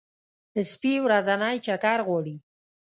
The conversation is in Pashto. سپي ورځنی چکر غواړي.